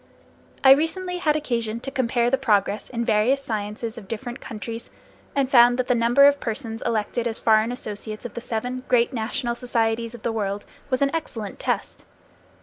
I recently had occasion to compare the progress in various sciences of different countries, and found that the number of persons elected as foreign associates of the seven great national societies of the world was an excellent test.